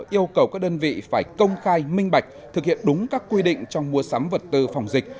yêu cầu các đơn vị phải công khai minh bạch thực hiện đúng các quy định trong mua sắm vật tư phòng dịch